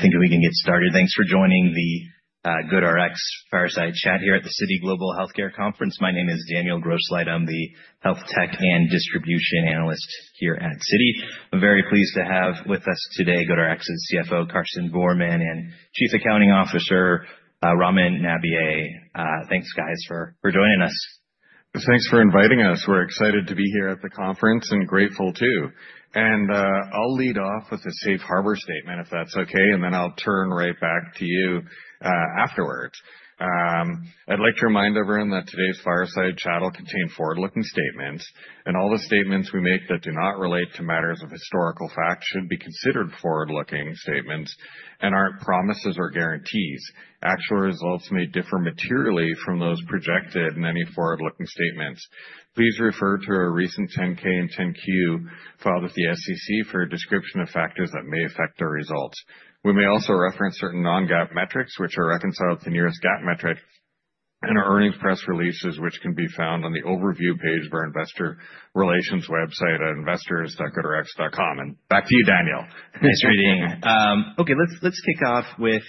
Think we can get started. Thanks for joining the GoodRx Fireside Chat here at the Citi Global Healthcare Conference. My name is Daniel Grosslight. I'm the Health Tech and Distribution Analyst here at Citi. I'm very pleased to have with us today GoodRx's CFO, Karsten Voermann, and Chief Accounting Officer, Ramin Nabiey. Thanks, guys, for joining us. Thanks for inviting us. We're excited to be here at the conference and grateful, too. And I'll lead off with a safe harbor statement, if that's okay, and then I'll turn right back to you afterwards. I'd like to remind everyone that today's Fireside Chat will contain forward-looking statements, and all the statements we make that do not relate to matters of historical fact should be considered forward-looking statements and aren't promises or guarantees. Actual results may differ materially from those projected in any forward-looking statements. Please refer to our recent 10-K and 10-Q filed with the SEC for a description of factors that may affect our results. We may also reference certain non-GAAP metrics, which are reconciled to the nearest GAAP metric, and our earnings press releases, which can be found on the overview page of our investor relations website at investors.goodrx.com. And back to you, Daniel. Thanks, Ramin. Okay, let's kick off with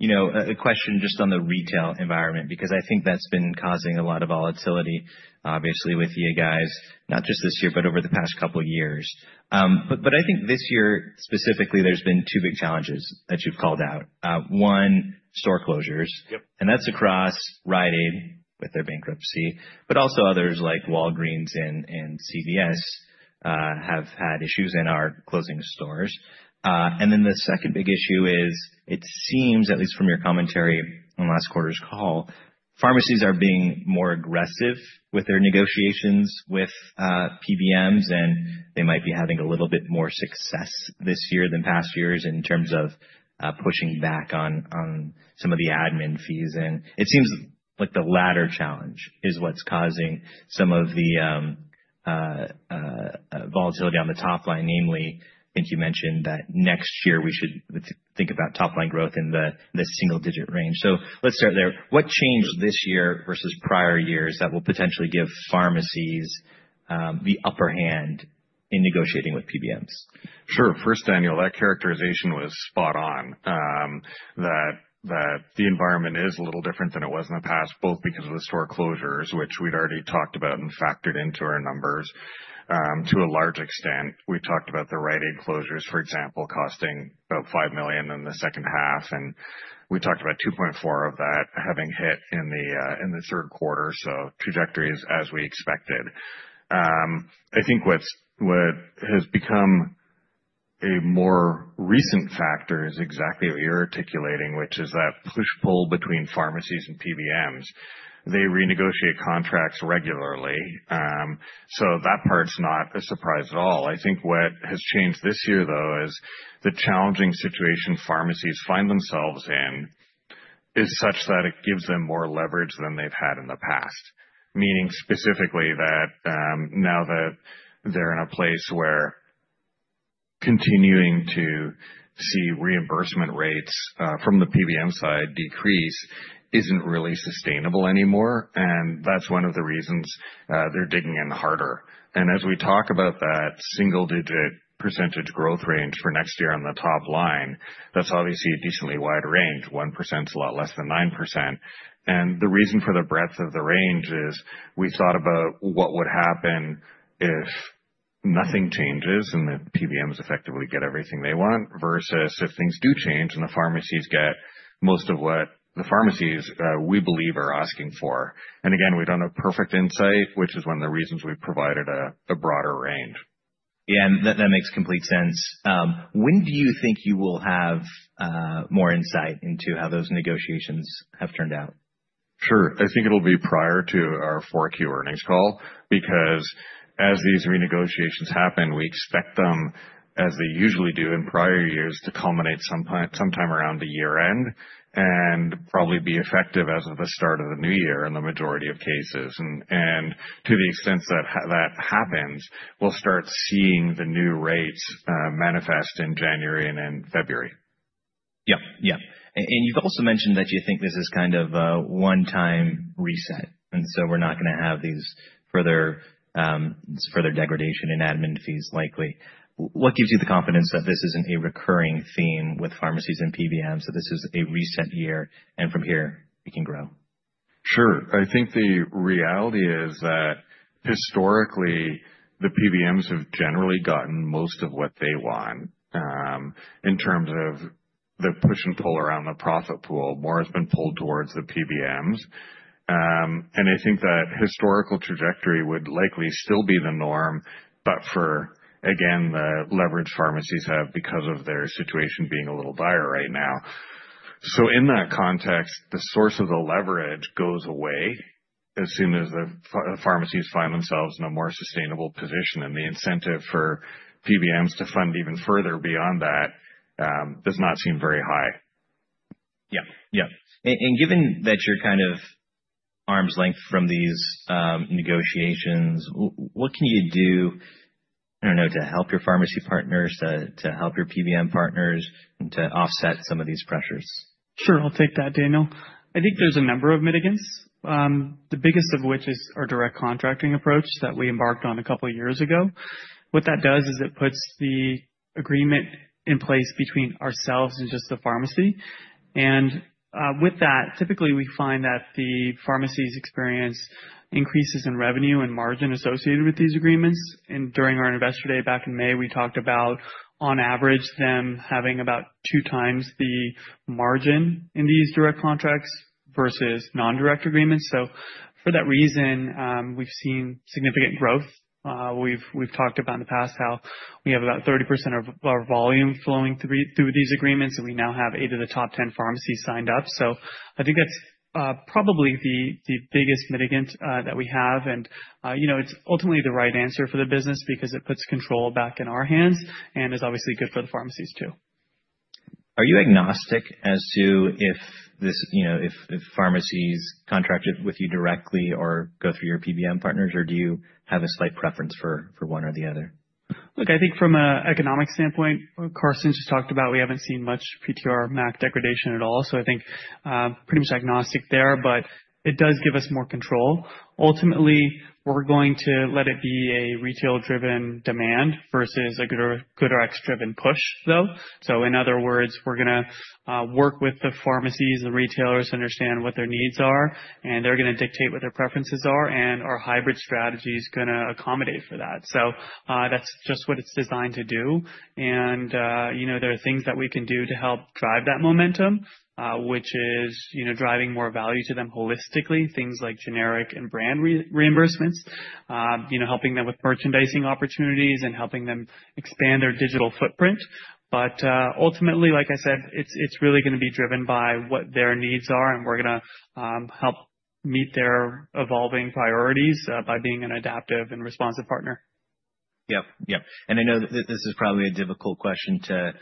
a question just on the retail environment, because I think that's been causing a lot of volatility, obviously, with you guys, not just this year, but over the past couple of years. But I think this year, specifically, there's been two big challenges that you've called out. One, store closures, and that's across Rite Aid, with their bankruptcy, but also others like Walgreens and CVS have had issues and closing stores. And then the second big issue is, it seems, at least from your commentary on last quarter's call, pharmacies are being more aggressive with their negotiations with PBMs, and they might be having a little bit more success this year than past years in terms of pushing back on some of the admin fees. It seems like the latter challenge is what's causing some of the volatility on the top line, namely, I think you mentioned that next year we should think about top-line growth in the single-digit range. Let's start there. What changed this year versus prior years that will potentially give pharmacies the upper hand in negotiating with PBMs? Sure. First, Daniel, that characterization was spot on, that the environment is a little different than it was in the past, both because of the store closures, which we'd already talked about and factored into our numbers to a large extent. We talked about the Rite Aid closures, for example, costing about $5 million in the second half, and we talked about $2.4 million of that having hit in the third quarter, so trajectories as we expected. I think what has become a more recent factor is exactly what you're articulating, which is that push-pull between pharmacies and PBMs. They renegotiate contracts regularly, so that part's not a surprise at all. I think what has changed this year, though, is the challenging situation pharmacies find themselves in is such that it gives them more leverage than they've had in the past, meaning specifically that now that they're in a place where continuing to see reimbursement rates from the PBM side decrease isn't really sustainable anymore, and that's one of the reasons they're digging in harder. And as we talk about that single-digit % growth range for next year on the top line, that's obviously a decently wide range. 1% is a lot less than 9%. And the reason for the breadth of the range is we thought about what would happen if nothing changes and the PBMs effectively get everything they want, versus if things do change and the pharmacies get most of what the pharmacies we believe are asking for. Again, we don't have perfect insight, which is one of the reasons we provided a broader range. Yeah, that makes complete sense. When do you think you will have more insight into how those negotiations have turned out? Sure. I think it'll be prior to our 4Q earnings call, because as these renegotiations happen, we expect them, as they usually do in prior years, to culminate sometime around the year-end and probably be effective as of the start of the new year in the majority of cases, and to the extent that happens, we'll start seeing the new rates manifest in January and in February. Yep, yep. And you've also mentioned that you think this is kind of a one-time reset, and so we're not going to have this further degradation in admin fees, likely. What gives you the confidence that this isn't a recurring theme with pharmacies and PBMs, that this is a reset year and from here we can grow? Sure. I think the reality is that historically, the PBMs have generally gotten most of what they want in terms of the push and pull around the profit pool. More has been pulled towards the PBMs. And I think that historical trajectory would likely still be the norm, but for, again, the leverage pharmacies have because of their situation being a little dire right now. So in that context, the source of the leverage goes away as soon as the pharmacies find themselves in a more sustainable position, and the incentive for PBMs to fund even further beyond that does not seem very high. Yep, yep. And given that you're kind of arm's length from these negotiations, what can you do, I don't know, to help your pharmacy partners, to help your PBM partners, and to offset some of these pressures? Sure, I'll take that, Daniel. I think there's a number of mitigants, the biggest of which is our direct contracting approach that we embarked on a couple of years ago. What that does is it puts the agreement in place between ourselves and just the pharmacy. And with that, typically, we find that the pharmacies' experience increases in revenue and margin associated with these agreements. And during our investor day back in May, we talked about, on average, them having about two times the margin in these direct contracts versus non-direct agreements. So for that reason, we've seen significant growth. We've talked about in the past how we have about 30% of our volume flowing through these agreements, and we now have eight of the top 10 pharmacies signed up. So I think that's probably the biggest mitigant that we have. It's ultimately the right answer for the business because it puts control back in our hands and is obviously good for the pharmacies, too. Are you agnostic as to if pharmacies contracted with you directly or go through your PBM partners, or do you have a slight preference for one or the other? Look, I think from an economic standpoint, Karsten just talked about we haven't seen much PTR/MAC degradation at all, so I think pretty much agnostic there, but it does give us more control. Ultimately, we're going to let it be a retail-driven demand versus a GoodRx-driven push, though, so in other words, we're going to work with the pharmacies, the retailers, to understand what their needs are, and they're going to dictate what their preferences are, and our hybrid strategy is going to accommodate for that. So that's just what it's designed to do, and there are things that we can do to help drive that momentum, which is driving more value to them holistically, things like generic and brand reimbursements, helping them with merchandising opportunities, and helping them expand their digital footprint. But ultimately, like I said, it's really going to be driven by what their needs are, and we're going to help meet their evolving priorities by being an adaptive and responsive partner. Yep, yep. And I know that this is probably a difficult question to answer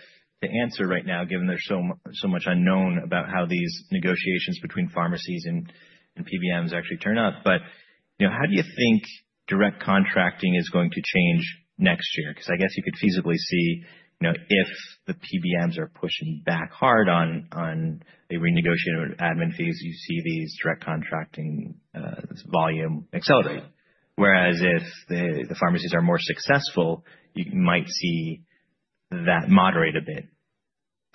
right now, given there's so much unknown about how these negotiations between pharmacies and PBMs actually turn out. But how do you think direct contracting is going to change next year? Because I guess you could feasibly see if the PBMs are pushing back hard on the renegotiated admin fees, you see these direct contracting volume accelerate. Whereas if the pharmacies are more successful, you might see that moderate a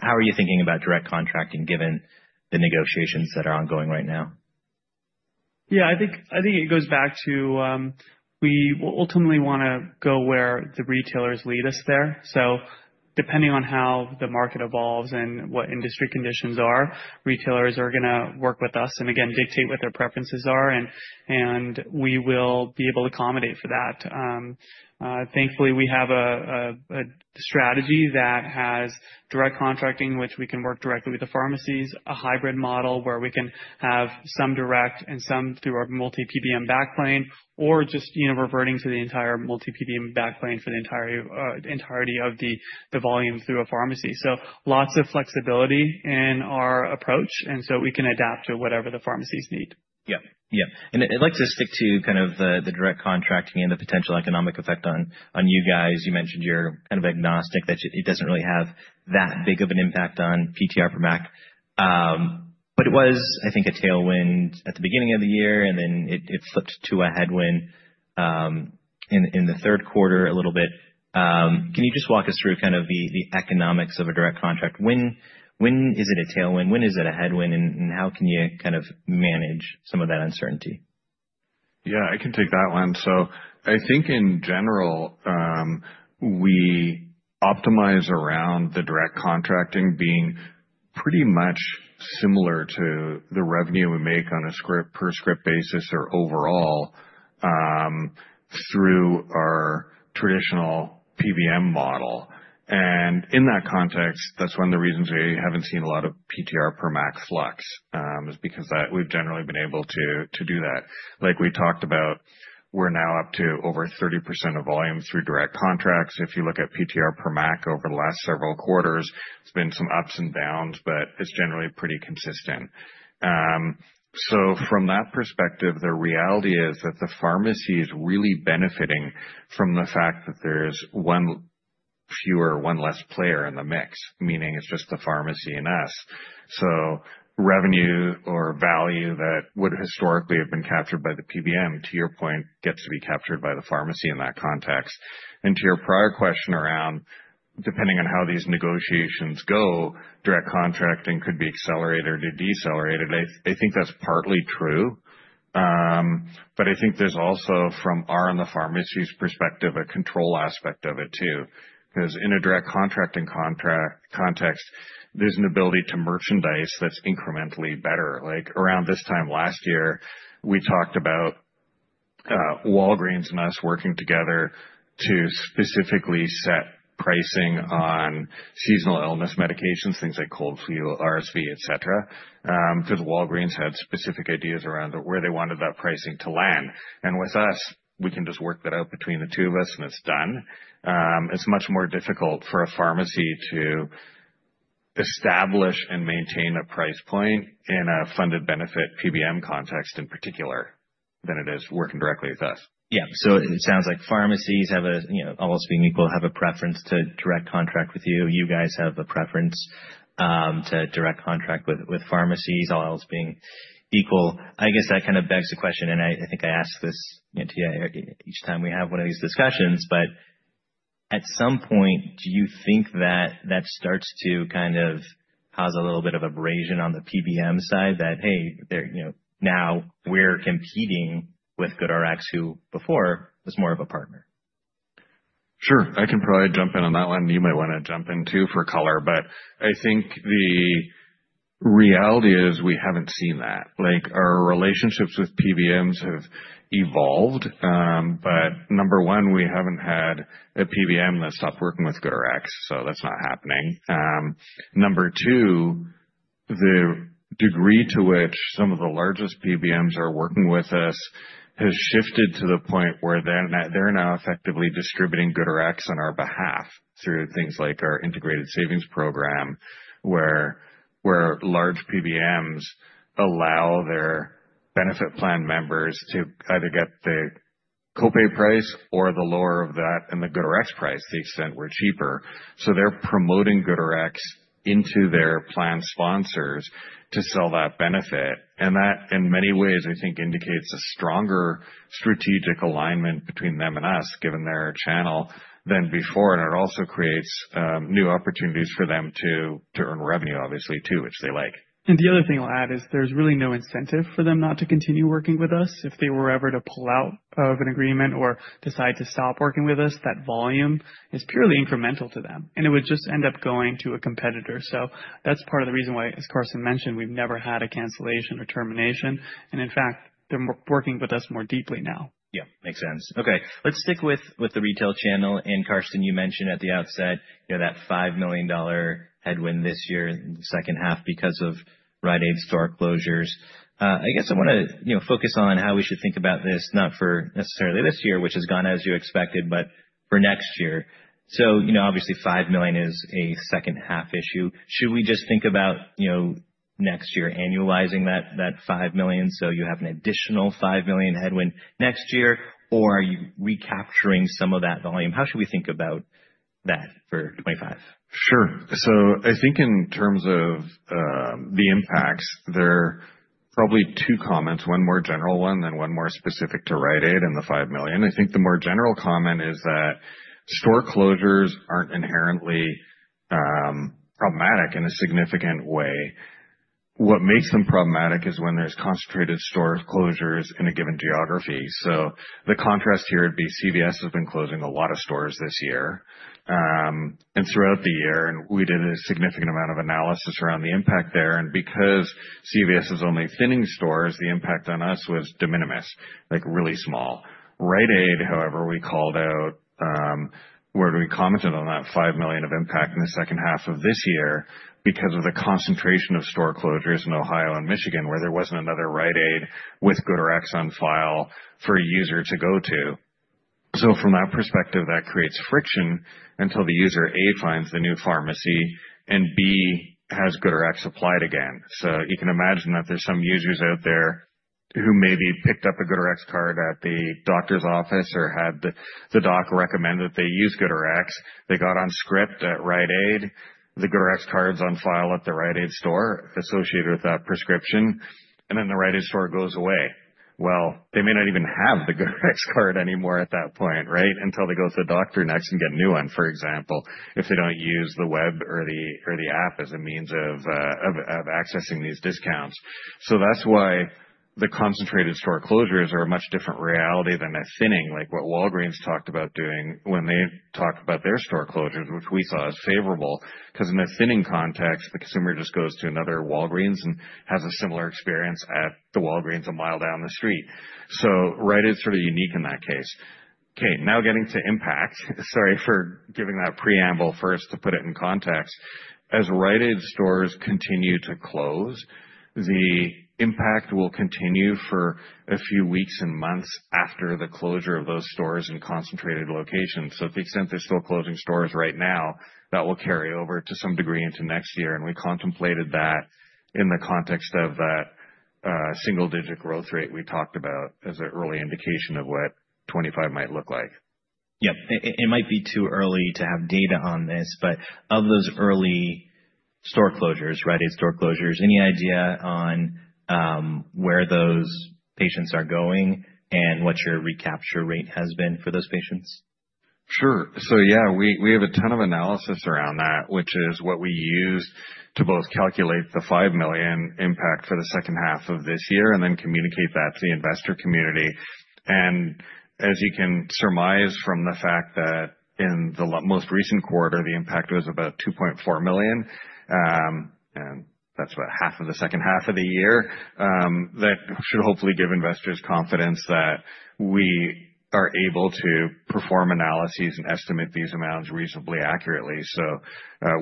bit. How are you thinking about direct contracting given the negotiations that are ongoing right now? Yeah, I think it goes back to we ultimately want to go where the retailers lead us there. So depending on how the market evolves and what industry conditions are, retailers are going to work with us and, again, dictate what their preferences are, and we will be able to accommodate for that. Thankfully, we have a strategy that has direct contracting, which we can work directly with the pharmacies, a hybrid model where we can have some direct and some through our multi-PBM backplane, or just reverting to the entire multi-PBM backplane for the entirety of the volume through a pharmacy. So lots of flexibility in our approach, and so we can adapt to whatever the pharmacies need. Yep, yep. And I'd like to stick to kind of the direct contracting and the potential economic effect on you guys. You mentioned you're kind of agnostic, that it doesn't really have that big of an impact on PTR/MAC. But it was, I think, a tailwind at the beginning of the year, and then it flipped to a headwind in the third quarter a little bit. Can you just walk us through kind of the economics of a direct contract? When is it a tailwind? When is it a headwind? And how can you kind of manage some of that uncertainty? Yeah, I can take that one. So I think in general, we optimize around the direct contracting being pretty much similar to the revenue we make on a per-script basis or overall through our traditional PBM model. And in that context, that's one of the reasons we haven't seen a lot of PTR/MAC flux, is because we've generally been able to do that. Like we talked about, we're now up to over 30% of volume through direct contracts. If you look at PTR/MAC over the last several quarters, there's been some ups and downs, but it's generally pretty consistent. So from that perspective, the reality is that the pharmacy is really benefiting from the fact that there's one fewer, one less player in the mix, meaning it's just the pharmacy and us. So revenue or value that would historically have been captured by the PBM, to your point, gets to be captured by the pharmacy in that context, and to your prior question around, depending on how these negotiations go, direct contracting could be accelerated or decelerated, I think that's partly true, but I think there's also, from our and the pharmacy's perspective, a control aspect of it, too, because in a direct contracting context, there's an ability to merchandise that's incrementally better. Like around this time last year, we talked about Walgreens and us working together to specifically set pricing on seasonal illness medications, things like cold, flu, RSV, etc., because Walgreens had specific ideas around where they wanted that pricing to land, and with us, we can just work that out between the two of us, and it's done. It's much more difficult for a pharmacy to establish and maintain a price point in a funded benefit PBM context in particular than it is working directly with us. Yeah. So it sounds like pharmacies, all else being equal, have a preference to direct contract with you. You guys have a preference to direct contract with pharmacies, all else being equal. I guess that kind of begs the question, and I think I ask this to you each time we have one of these discussions, but at some point, do you think that that starts to kind of cause a little bit of abrasion on the PBM side that, "Hey, now we're competing with GoodRx, who before was more of a partner"? Sure. I can probably jump in on that one, and you might want to jump in too for color, but I think the reality is we haven't seen that. Our relationships with PBMs have evolved, but number one, we haven't had a PBM that stopped working with GoodRx, so that's not happening. Number two, the degree to which some of the largest PBMs are working with us has shifted to the point where they're now effectively distributing GoodRx on our behalf through things like our Integrated Savings Program, where large PBMs allow their benefit plan members to either get the copay price or the lower of that and the GoodRx price to the extent we're cheaper. So they're promoting GoodRx into their plan sponsors to sell that benefit, and that, in many ways, I think, indicates a stronger strategic alignment between them and us, given their channel, than before. It also creates new opportunities for them to earn revenue, obviously, too, which they like. The other thing I'll add is there's really no incentive for them not to continue working with us. If they were ever to pull out of an agreement or decide to stop working with us, that volume is purely incremental to them, and it would just end up going to a competitor. That's part of the reason why, as Karsten mentioned, we've never had a cancellation or termination. In fact, they're working with us more deeply now. Yep, makes sense. Okay, let's stick with the retail channel. And Karsten, you mentioned at the outset that $5 million headwind this year in the second half because of Rite Aid store closures. I guess I want to focus on how we should think about this, not for necessarily this year, which has gone as you expected, but for next year. So obviously, $5 million is a second half issue. Should we just think about next year annualizing that $5 million so you have an additional $5 million headwind next year, or are you recapturing some of that volume? How should we think about that for 2025? Sure. So I think in terms of the impacts, there are probably two comments, one more general than one more specific to Rite Aid and the $5 million. I think the more general comment is that store closures aren't inherently problematic in a significant way. What makes them problematic is when there's concentrated store closures in a given geography. So the contrast here would be CVS has been closing a lot of stores this year and throughout the year, and we did a significant amount of analysis around the impact there. And because CVS is only thinning stores, the impact on us was de minimis, like really small. Rite Aid, however, we called out where we commented on that $5 million of impact in the second half of this year because of the concentration of store closures in Ohio and Michigan, where there wasn't another Rite Aid with GoodRx on file for a user to go to. So from that perspective, that creates friction until the user A finds the new pharmacy and B has GoodRx applied again. So you can imagine that there's some users out there who maybe picked up a GoodRx card at the doctor's office or had the doc recommend that they use GoodRx. They got on script at Rite Aid. The GoodRx card's on file at the Rite Aid store associated with that prescription, and then the Rite Aid store goes away. They may not even have the GoodRx card anymore at that point, right, until they go to the doctor next and get a new one, for example, if they don't use the web or the app as a means of accessing these discounts, so that's why the concentrated store closures are a much different reality than a thinning, like what Walgreens talked about doing when they talk about their store closures, which we saw as favorable, because in a thinning context, the consumer just goes to another Walgreens and has a similar experience at the Walgreens a mile down the street, so Rite Aid's sort of unique in that case. Okay, now getting to impact. Sorry for giving that preamble first to put it in context. As Rite Aid stores continue to close, the impact will continue for a few weeks and months after the closure of those stores in concentrated locations. So to the extent they're still closing stores right now, that will carry over to some degree into next year, and we contemplated that in the context of that single-digit growth rate we talked about as an early indication of what 2025 might look like. Yep. It might be too early to have data on this, but of those early store closures, Rite Aid store closures, any idea on where those patients are going and what your recapture rate has been for those patients? Sure. So yeah, we have a ton of analysis around that, which is what we used to both calculate the $5 million impact for the second half of this year and then communicate that to the investor community, and as you can surmise from the fact that in the most recent quarter, the impact was about $2.4 million, and that's about half of the second half of the year, that should hopefully give investors confidence that we are able to perform analyses and estimate these amounts reasonably accurately, so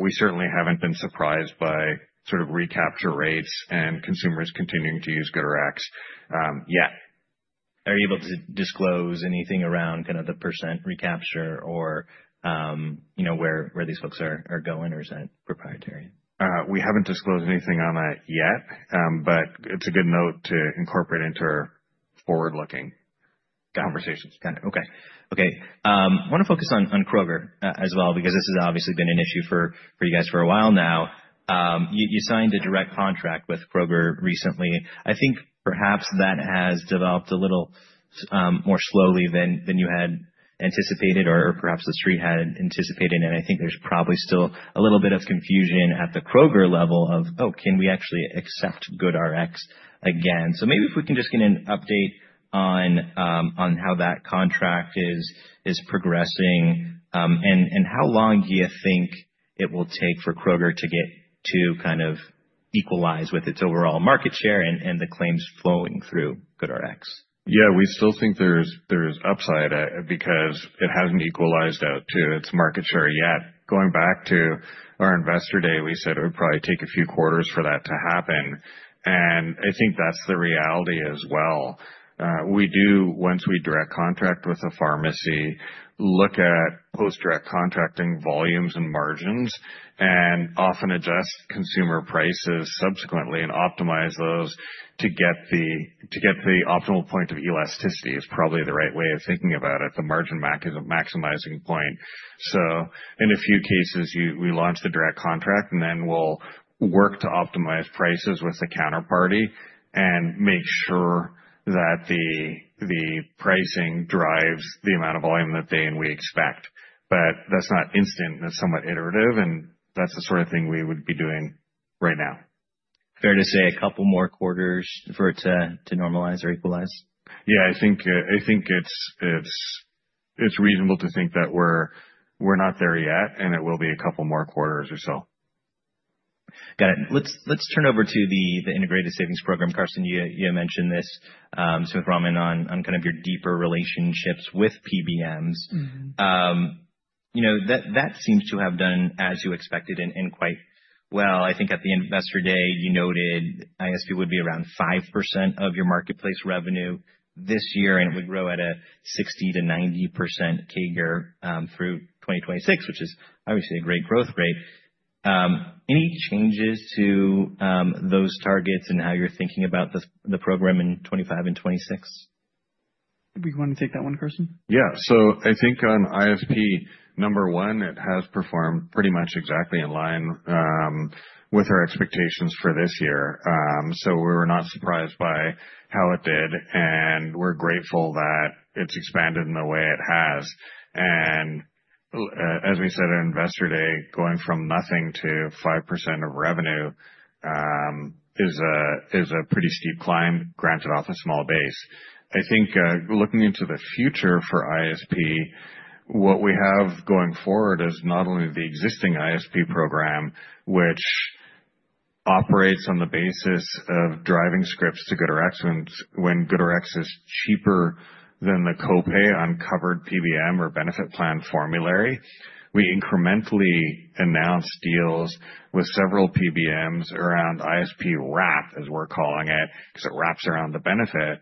we certainly haven't been surprised by sort of recapture rates and consumers continuing to use GoodRx yet. Are you able to disclose anything around kind of the percent recapture or where these folks are going or is that proprietary? We haven't disclosed anything on that yet, but it's a good note to incorporate into our forward-looking conversations. Got it. Okay. Okay. I want to focus on Kroger as well, because this has obviously been an issue for you guys for a while now. You signed a direct contract with Kroger recently. I think perhaps that has developed a little more slowly than you had anticipated or perhaps the Street had anticipated, and I think there's probably still a little bit of confusion at the Kroger level of, "Oh, can we actually accept GoodRx again?" so maybe if we can just get an update on how that contract is progressing and how long do you think it will take for Kroger to get to kind of equalize with its overall market share and the claims flowing through GoodRx? Yeah, we still think there's upside because it hasn't equalized out to its market share yet. Going back to our investor day, we said it would probably take a few quarters for that to happen, and I think that's the reality as well. We do, once we direct contract with a pharmacy, look at post-direct contracting volumes and margins and often adjust consumer prices subsequently and optimize those to get the optimal point of elasticity is probably the right way of thinking about it, the margin maximizing point. So in a few cases, we launch the direct contract, and then we'll work to optimize prices with the counterparty and make sure that the pricing drives the amount of volume that they and we expect. But that's not instant. That's somewhat iterative, and that's the sort of thing we would be doing right now. Fair to say a couple more quarters for it to normalize or equalize? Yeah, I think it's reasonable to think that we're not there yet, and it will be a couple more quarters or so. Got it. Let's turn over to the Integrated Savings Program. Karsten, you mentioned this, SmithRx, on kind of your deeper relationships with PBMs. That seems to have done as you expected and quite well. I think at the investor day, you noted ISP would be around 5% of your marketplace revenue this year, and it would grow at a 60%-90% CAGR through 2026, which is obviously a great growth rate. Any changes to those targets and how you're thinking about the program in 2025 and 2026? We want to take that one, Karsten? Yeah. So I think on ISP number one, it has performed pretty much exactly in line with our expectations for this year. So we were not surprised by how it did, and we're grateful that it's expanded in the way it has. And as we said at investor day, going from nothing to 5% of revenue is a pretty steep climb, granted off a small base. I think looking into the future for ISP, what we have going forward is not only the existing ISP program, which operates on the basis of driving scripts to GoodRx when GoodRx is cheaper than the copay on covered PBM or benefit plan formulary. We incrementally announced deals with several PBMs around ISP wrap, as we're calling it, because it wraps around the benefit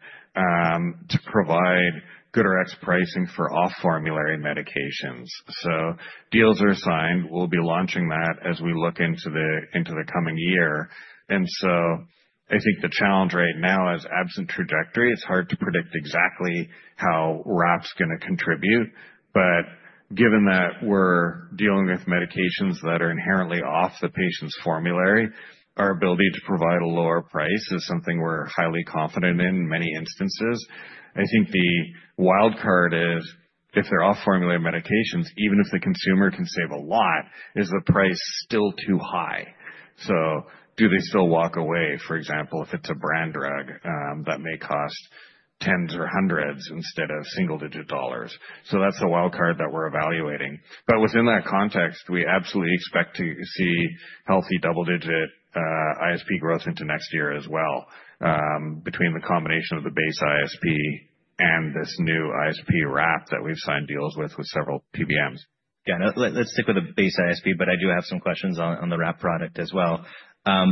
to provide GoodRx pricing for off-formulary medications. So deals are signed. We'll be launching that as we look into the coming year, and so I think the challenge right now is absent a trajectory. It's hard to predict exactly how wrap's going to contribute, but given that we're dealing with medications that are inherently off the patient's formulary, our ability to provide a lower price is something we're highly confident in many instances. I think the wildcard is if they're off-formulary medications, even if the consumer can save a lot, is the price still too high, so do they still walk away, for example, if it's a brand drug that may cost tens or hundreds instead of single-digit dollars, so that's the wildcard that we're evaluating. But within that context, we absolutely expect to see healthy double-digit ISP growth into next year as well between the combination of the base ISP and this new ISP wrap that we've signed deals with several PBMs. Got it. Let's stick with the base ISP, but I do have some questions on the wrap product as well.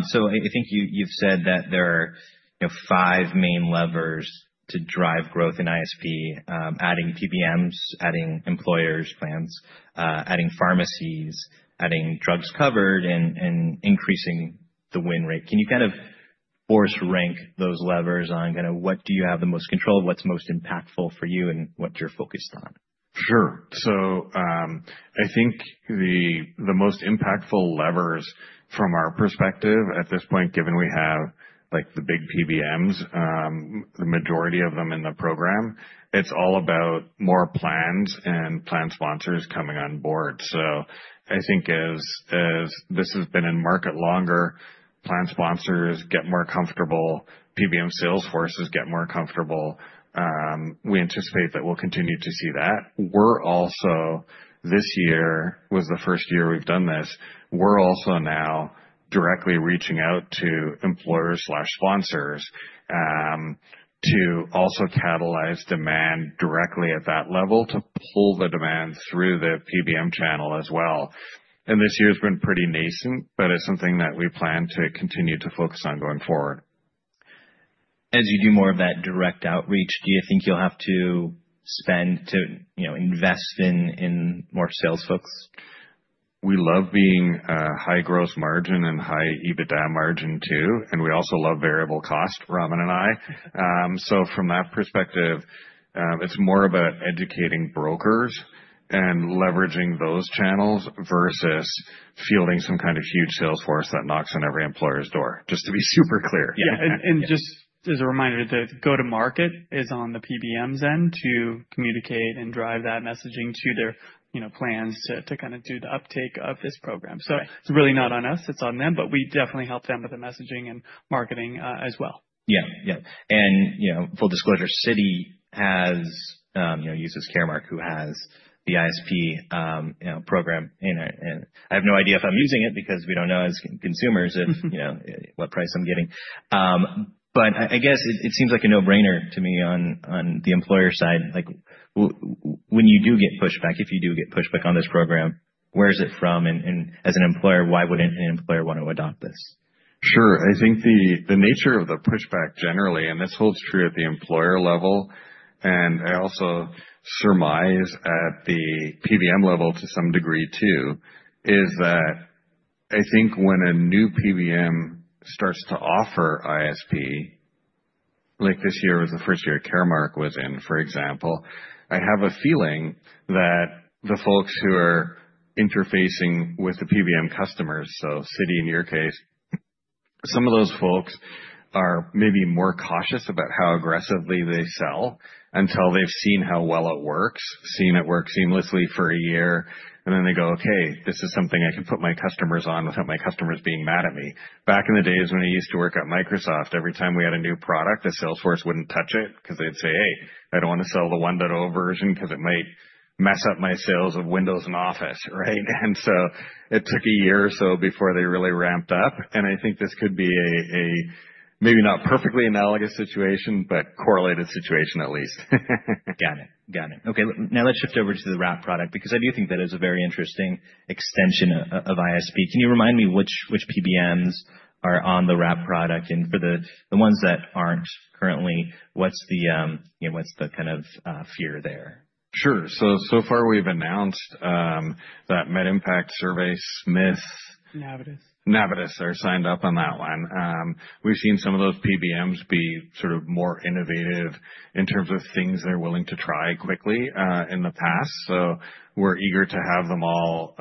So I think you've said that there are five main levers to drive growth in ISP: adding PBMs, adding employers' plans, adding pharmacies, adding drugs covered, and increasing the win rate. Can you kind of force rank those levers on kind of what do you have the most control, what's most impactful for you, and what you're focused on? Sure. So I think the most impactful levers from our perspective at this point, given we have the big PBMs, the majority of them in the program, it's all about more plans and plan sponsors coming on board. So I think as this has been in market longer, plan sponsors get more comfortable, PBM sales forces get more comfortable. We anticipate that we'll continue to see that. This year was the first year we've done this. We're also now directly reaching out to employers/sponsors to also catalyze demand directly at that level to pull the demand through the PBM channel as well. And this year has been pretty nascent, but it's something that we plan to continue to focus on going forward. As you do more of that direct outreach, do you think you'll have to spend to invest in more sales folks? We love being high gross margin and high EBITDA margin too, and we also love variable cost, Ramin and I. So from that perspective, it's more about educating brokers and leveraging those channels versus fielding some kind of huge sales force that knocks on every employer's door, just to be super clear. Yeah. And just as a reminder, the go-to-market is on the PBMs' end to communicate and drive that messaging to their plans to kind of do the uptake of this program. So it's really not on us. It's on them, but we definitely help them with the messaging and marketing as well. Yeah. Yeah. And full disclosure, Citi uses Caremark, who has the ISP program. And I have no idea if I'm using it because we don't know as consumers what price I'm getting. But I guess it seems like a no-brainer to me on the employer side. When you do get pushback, if you do get pushback on this program, where is it from? And as an employer, why wouldn't an employer want to adopt this? Sure. I think the nature of the pushback generally, and this holds true at the employer level, and I also surmise at the PBM level to some degree too, is that I think when a new PBM starts to offer ISP, like this year was the first year Caremark was in, for example, I have a feeling that the folks who are interfacing with the PBM customers, so Citi in your case, some of those folks are maybe more cautious about how aggressively they sell until they've seen how well it works, seen it work seamlessly for a year, and then they go, "Okay, this is something I can put my customers on without my customers being mad at me." Back in the days when I used to work at Microsoft, every time we had a new product, the sales force wouldn't touch it because they'd say, "Hey, I don't want to sell the 1.0 version because it might mess up my sales of Windows and Office," right? It took a year or so before they really ramped up. I think this could be a maybe not perfectly analogous situation, but correlated situation at least. Got it. Got it. Okay. Now let's shift over to the wrap product because I do think that is a very interesting extension of ISP. Can you remind me which PBMs are on the wrap product? And for the ones that aren't currently, what's the kind of fear there? Sure. So far we've announced that MedImpact, SilverScript, SmithRx. Navitus. Navitus is signed up on that one. We've seen some of those PBMs be sort of more innovative in terms of things they're willing to try quickly in the past. So we're eager to have them all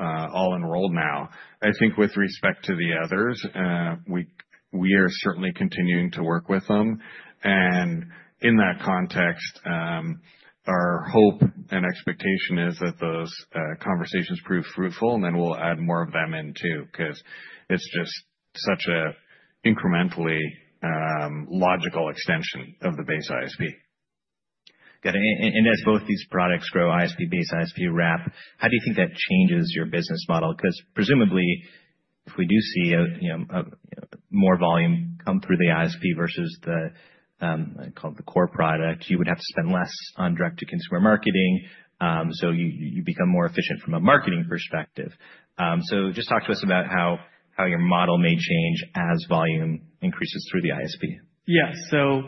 enrolled now. I think with respect to the others, we are certainly continuing to work with them, and in that context, our hope and expectation is that those conversations prove fruitful, and then we'll add more of them in too because it's just such an incrementally logical extension of the base ISP. Got it. And as both these products grow, ISP base, ISP wrap, how do you think that changes your business model? Because presumably, if we do see more volume come through the ISP versus the core product, you would have to spend less on direct-to-consumer marketing. So you become more efficient from a marketing perspective. So just talk to us about how your model may change as volume increases through the ISP. Yeah. So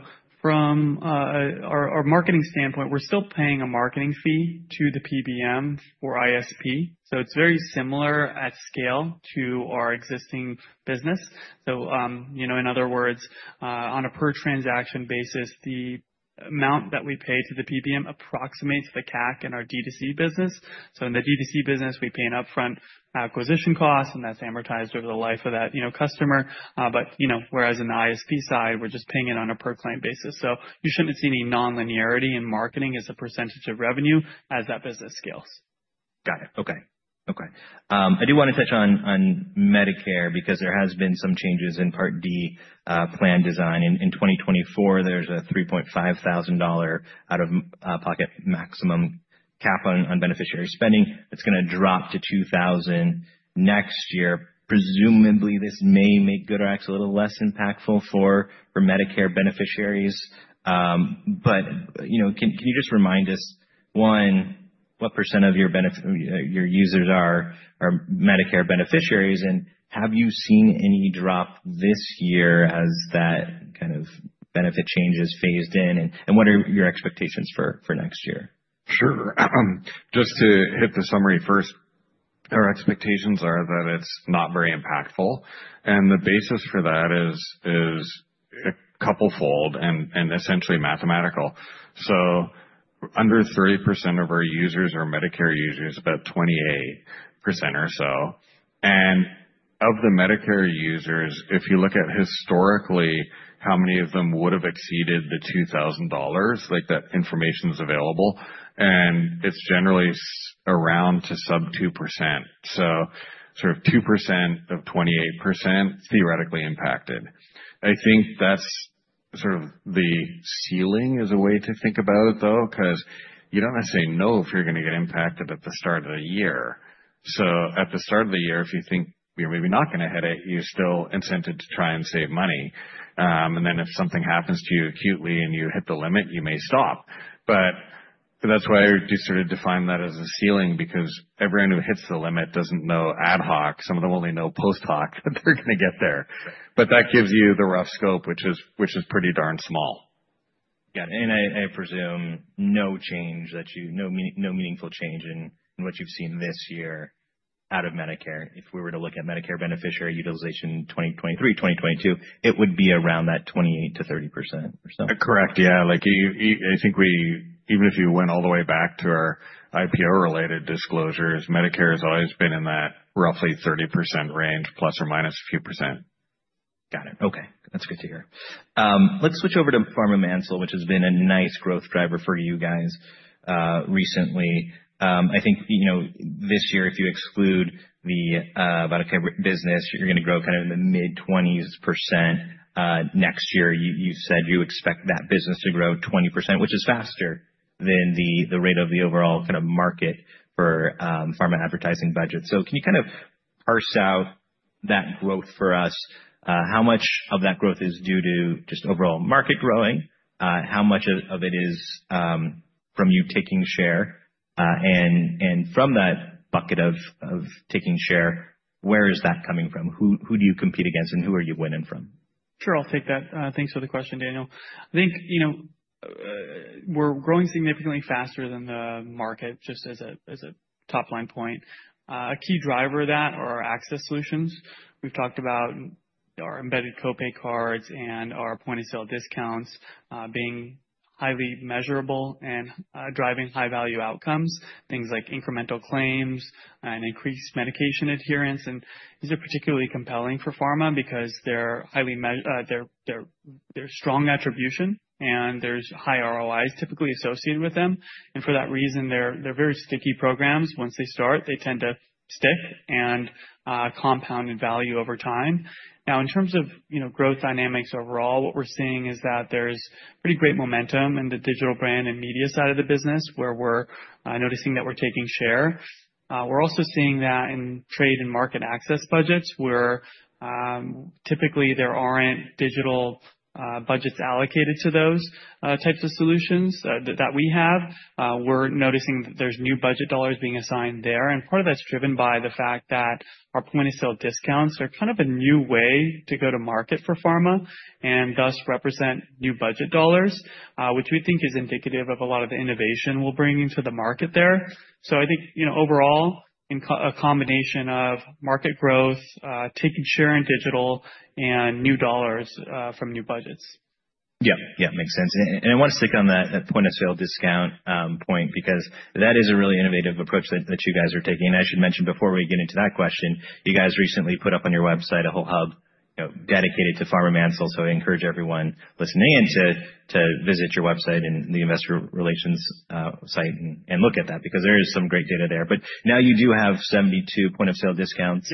from our marketing standpoint, we're still paying a marketing fee to the PBM for ISP. So it's very similar at scale to our existing business. So in other words, on a per-transaction basis, the amount that we pay to the PBM approximates the CAC in our D2C business. So in the D2C business, we pay an upfront acquisition cost, and that's amortized over the life of that customer. But whereas in the ISP side, we're just paying it on a per-client basis. So you shouldn't see any non-linearity in marketing as a percentage of revenue as that business scales. Got it. Okay. Okay. I do want to touch on Medicare because there have been some changes in Part D plan design. In 2024, there's a $3,500 out-of-pocket maximum cap on beneficiary spending. It's going to drop to $2,000 next year. Presumably, this may make GoodRx a little less impactful for Medicare beneficiaries. But can you just remind us, one, what % of your users are Medicare beneficiaries? And have you seen any drop this year as that kind of benefit change is phased in? And what are your expectations for next year? Sure. Just to hit the summary first, our expectations are that it's not very impactful. And the basis for that is couple-fold and essentially mathematical. So under 30% of our users are Medicare users, about 28% or so. And of the Medicare users, if you look at historically how many of them would have exceeded the $2,000, that information is available, and it's generally around to sub 2%. So sort of 2% of 28% theoretically impacted. I think that's sort of the ceiling as a way to think about it, though, because you don't necessarily know if you're going to get impacted at the start of the year. So at the start of the year, if you think you're maybe not going to hit it, you're still incented to try and save money. And then if something happens to you acutely and you hit the limit, you may stop. But that's why I do sort of define that as a ceiling because everyone who hits the limit doesn't know ad hoc. Some of them only know post hoc that they're going to get there. But that gives you the rough scope, which is pretty darn small. Got it. And I presume no change that you know, no meaningful change in what you've seen this year out of Medicare. If we were to look at Medicare beneficiary utilization 2023, 2022, it would be around that 28%-30% or soCorrect. Yeah. I think even if you went all the way back to our IPO-related disclosures, Medicare has always been in that roughly 30% range, ± a few %. Got it. Okay. That's good to hear. Let's switch over to Pharma Manufacturer Solutions, which has been a nice growth driver for you guys recently. I think this year, if you exclude the Medicaid business, you're going to grow kind of in the mid-20s% next year. You said you expect that business to grow 20%, which is faster than the rate of the overall kind of market for pharma advertising budget. So can you kind of parse out that growth for us? How much of that growth is due to just overall market growing? How much of it is from you taking share? And from that bucket of taking share, where is that coming from? Who do you compete against and who are you winning from? Sure. I'll take that. Thanks for the question, Daniel. I think we're growing significantly faster than the market, just as a top-line point. A key driver of that are our access solutions. We've talked about our embedded copay cards and our point-of-sale discounts being highly measurable and driving high-value outcomes, things like incremental claims and increased medication adherence. And these are particularly compelling for pharma because they're strong attribution and there's high ROIs typically associated with them. And for that reason, they're very sticky programs. Once they start, they tend to stick and compound in value over time. Now, in terms of growth dynamics overall, what we're seeing is that there's pretty great momentum in the digital brand and media side of the business where we're noticing that we're taking share. We're also seeing that in trade and market access budgets where typically there aren't digital budgets allocated to those types of solutions that we have. We're noticing that there's new budget dollars being assigned there. And part of that's driven by the fact that our point-of-sale discounts are kind of a new way to go to market for pharma and thus represent new budget dollars, which we think is indicative of a lot of the innovation we'll bring into the market there. So I think overall, a combination of market growth, taking share in digital, and new dollars from new budgets. Yeah. Yeah. Makes sense, and I want to stick on that point-of-sale discount point because that is a really innovative approach that you guys are taking, and I should mention before we get into that question, you guys recently put up on your website a whole hub dedicated to Pharma Manufacturer Solutions. So I encourage everyone listening in to visit your website and the investor relations site and look at that because there is some great data there, but now you do have 72 point-of-sale discounts,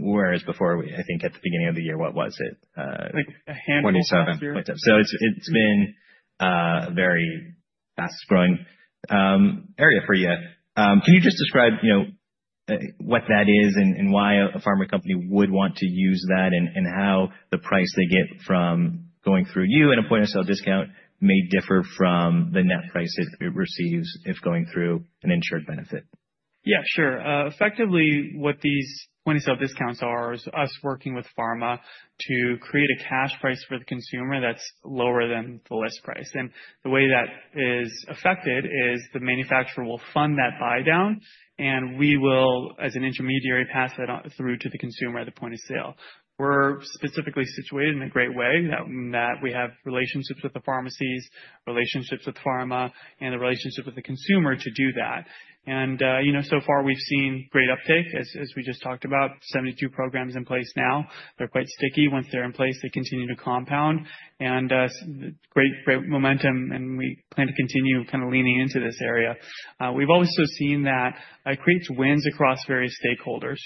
whereas before, I think at the beginning of the year, what was it? Like a handful of users. 27. So it's been a very fast-growing area for you. Can you just describe what that is and why a pharma company would want to use that and how the price they get from going through you and a point-of-sale discount may differ from the net price it receives if going through an insured benefit? Yeah, sure. Effectively, what these point-of-sale discounts are is us working with pharma to create a cash price for the consumer that's lower than the list price. And the way that is affected is the manufacturer will fund that buy-down, and we will, as an intermediary, pass that through to the consumer at the point of sale. We're specifically situated in a great way that we have relationships with the pharmacies, relationships with pharma, and the relationship with the consumer to do that. And so far, we've seen great uptake, as we just talked about. 72 programs in place now. They're quite sticky. Once they're in place, they continue to compound. And great momentum, and we plan to continue kind of leaning into this area. We've also seen that it creates wins across various stakeholders.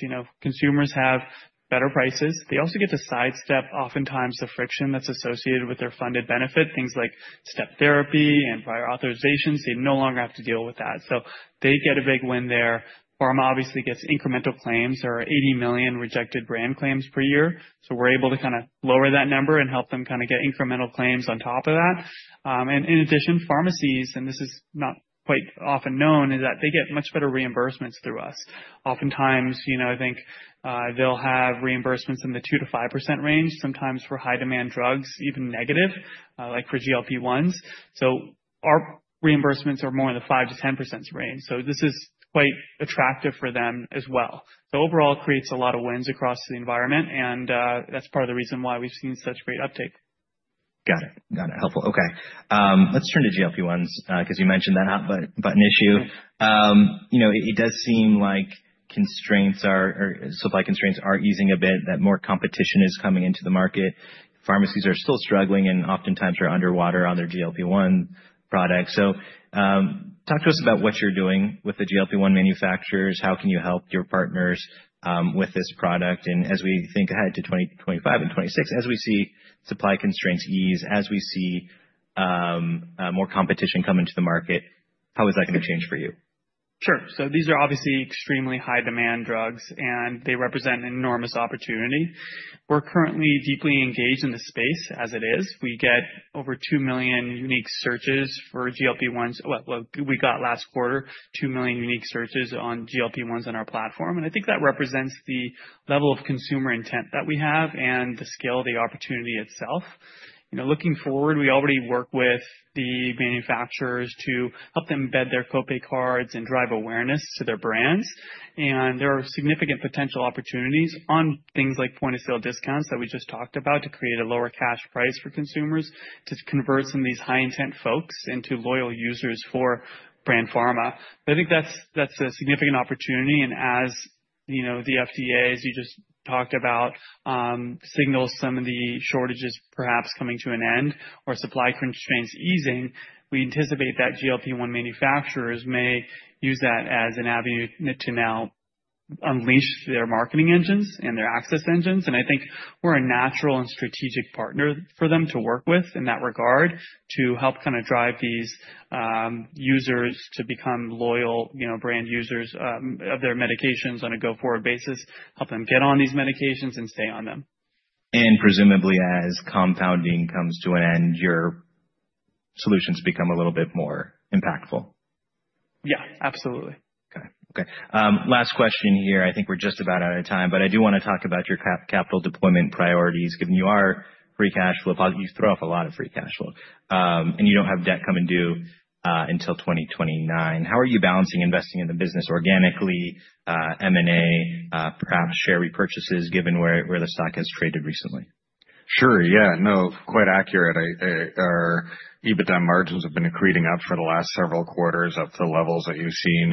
Consumers have better prices. They also get to sidestep oftentimes the friction that's associated with their funded benefit, things like step therapy and prior authorizations. They no longer have to deal with that. So they get a big win there. Pharma obviously gets incremental claims. There are 80 million rejected brand claims per year. So we're able to kind of lower that number and help them kind of get incremental claims on top of that. And in addition, pharmacies, and this is not quite often known, is that they get much better reimbursements through us. Oftentimes, I think they'll have reimbursements in the 2%-5% range, sometimes for high-demand drugs, even negative, like for GLP-1s. So our reimbursements are more in the 5%-10% range. So this is quite attractive for them as well. So overall, it creates a lot of wins across the environment, and that's part of the reason why we've seen such great uptake. Got it. Got it. Helpful. Okay. Let's turn to GLP-1s because you mentioned that hot button issue. It does seem like supply constraints are easing a bit, that more competition is coming into the market. Pharmacies are still struggling and oftentimes are underwater on their GLP-1 products. So talk to us about what you're doing with the GLP-1 manufacturers. How can you help your partners with this product? And as we think ahead to 2025 and 2026, as we see supply constraints ease, as we see more competition come into the market, how is that going to change for you? Sure. These are obviously extremely high-demand drugs, and they represent an enormous opportunity. We're currently deeply engaged in the space as it is. We get over 2 million unique searches for GLP-1s. We got last quarter 2 million unique searches on GLP-1s on our platform. I think that represents the level of consumer intent that we have and the scale of the opportunity itself. Looking forward, we already work with the manufacturers to help them embed their copay cards and drive awareness to their brands. There are significant potential opportunities on things like point-of-sale discounts that we just talked about to create a lower cash price for consumers to convert some of these high-intent folks into loyal users for brand pharma. I think that's a significant opportunity. As the FDA, as you just talked about, signals some of the shortages perhaps coming to an end or supply constraints easing, we anticipate that GLP-1 manufacturers may use that as an avenue to now unleash their marketing engines and their access engines. I think we're a natural and strategic partner for them to work with in that regard to help kind of drive these users to become loyal brand users of their medications on a go-forward basis, help them get on these medications and stay on them. Presumably, as compounding comes to an end, your solutions become a little bit more impactful. Yeah, absolutely. Okay. Okay. Last question here. I think we're just about out of time, but I do want to talk about your capital deployment priorities. Given your free cash flow, you throw off a lot of free cash flow, and you don't have debt coming due until 2029. How are you balancing investing in the business organically, M&A, perhaps share repurchases, given where the stock has traded recently? Sure. Yeah. No, quite accurate. Our EBITDA margins have been accreting up for the last several quarters up to levels that you've seen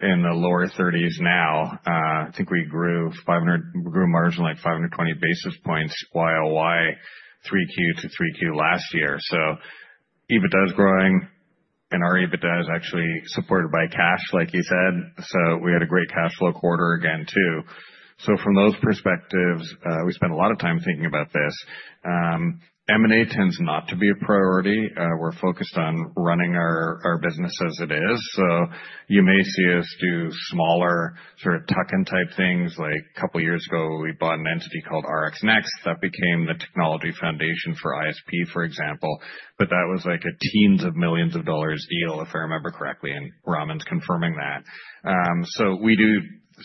in the lower 30s now. I think we grew margin like 520 basis points YOY 3Q to 3Q last year. So EBITDA is growing, and our EBITDA is actually supported by cash, like you said. So we had a great cash flow quarter again too. So from those perspectives, we spend a lot of time thinking about this. M&A tends not to be a priority. We're focused on running our business as it is. So you may see us do smaller sort of tuck-in type things. Like a couple of years ago, we bought an entity called RxNXT that became the technology foundation for ISP, for example. But that was like a $10 million-$19 million deal, if I remember correctly, and Ramin's confirming that. We do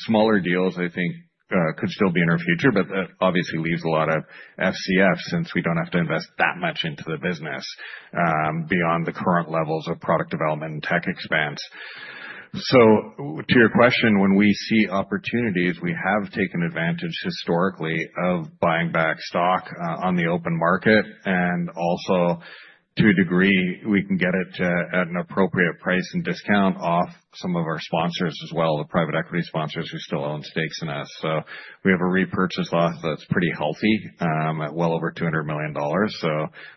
smaller deals, I think, could still be in our future, but that obviously leaves a lot of FCF since we don't have to invest that much into the business beyond the current levels of product development and tech expansion. To your question, when we see opportunities, we have taken advantage historically of buying back stock on the open market. And also, to a degree, we can get it at an appropriate price and discount off some of our sponsors as well, the private equity sponsors who still own stakes in us. We have a repurchase authorization that's pretty healthy, well over $200 million.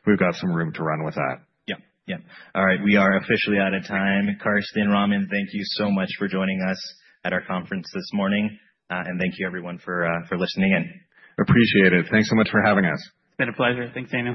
We've got some room to run with that. Yep. Yep. All right. We are officially out of time. Karsten, Ramin, thank you so much for joining us at our conference this morning. And thank you, everyone, for listening in. Appreciate it. Thanks so much for having us. It's been a pleasure. Thanks, Daniel.